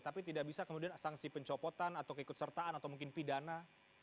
tapi tidak bisa kemudian sanksi pencopotan atau keikutsertaan atau mungkin pidana